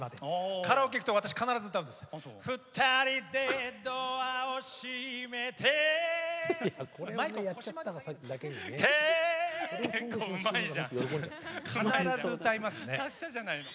カラオケ行くと必ず歌うんです。